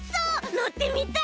のってみたい！